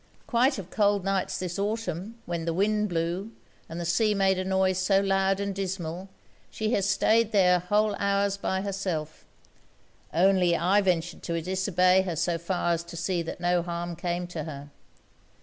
Quite of cold nights this Autumn, when the wind blew, and the sea made a noise so loud and dismal, she has staid there whole hours by herself; only I ventured to disobey her so far as to see that no harm came to her.